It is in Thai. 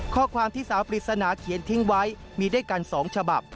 ข้อความที่สาวปริศนาเขียนทิ้งไว้มีด้วยกัน๒ฉบับ